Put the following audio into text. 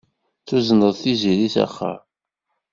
Tuzneḍ Tiziri s axxam.